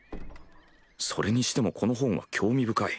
それにしてもこの本は興味深い。